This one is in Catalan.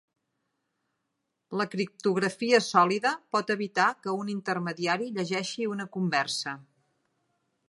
La criptografia sòlida pot evitar que un intermediari llegeixi una conversa.